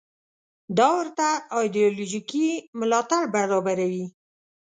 دا ورته ایدیالوژیکي ملاتړ برابروي.